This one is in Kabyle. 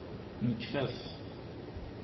Nekfa-t.